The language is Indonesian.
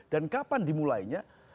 dan kapan dimulainya